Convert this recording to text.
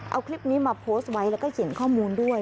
เอาคลิปนี้มาโพสต์ไว้แล้วก็เขียนข้อมูลด้วย